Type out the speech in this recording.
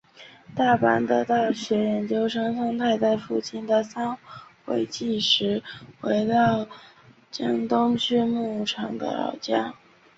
大阪的大学研究生苍太在父亲的三回忌时回到江东区木场的老家。